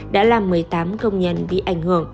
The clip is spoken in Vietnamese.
đã làm một mươi tám công nhân bị ảnh hưởng